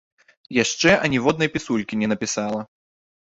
Яшчэ аніводнай пісулькі не напісала.